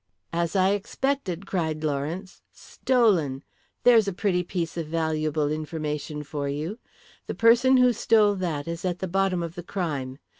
"As I expected," cried Lawrence. "Stolen! There's a pretty piece of valuable information for you. The person who stole that is at the bottom of the crime.